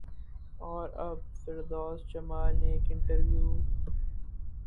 اور اب فردوس جمال نے ایک انٹرویو